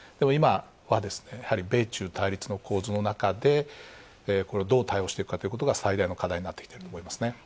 今は、やはり米中対立の構図の中でこれをどう対応していくかということが最大の課題になってきていると思いますね。